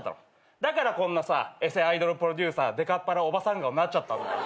だからこんなさえせアイドルプロデューサーでかっぱらおばさん顔になっちゃったんだよ。